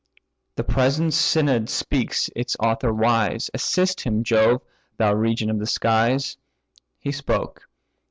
The present synod speaks its author wise; Assist him, Jove, thou regent of the skies!" He spoke.